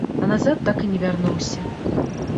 А назад так і не вярнуўся.